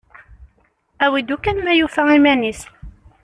Awi-d ukkan win yufan iman-is.